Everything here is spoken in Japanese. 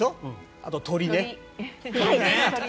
あと鳥ね。